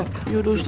ustadz yaudah ustadz